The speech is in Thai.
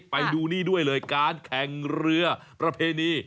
ไปดูนี่ด้วยเลยการแข่งเรือประเพณี